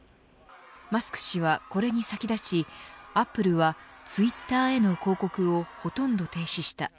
マスク氏はこれに先立ちアップルはツイッターへの広告をほとんど停止した。